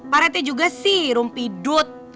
parete juga sih rumpidut